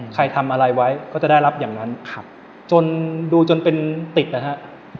ใครทำอะไรไว้ก็จะได้รับอย่างนั้นจนดูจนเป็นติดนะฮะ